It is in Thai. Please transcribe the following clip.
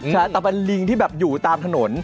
แต่กับลิงที่อยู่ตามถนน